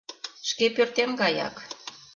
«Шке пӧртем гаяк.